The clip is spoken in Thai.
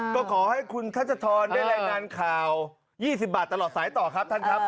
ก็ขอให้คุณทัชธรได้รายงานข่าว๒๐บาทตลอดสายต่อครับท่านครับ